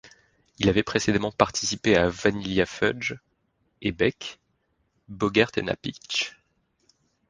Il avait précédemment participé à Vanilla Fudge et Beck, Bogert and Appice.